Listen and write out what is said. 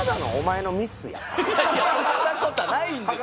いやいやそんなことはないんですよ。